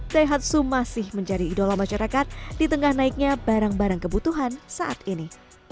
daihatsu masih menjadi idola masyarakat di tengah naiknya barang barang kebutuhan saat ini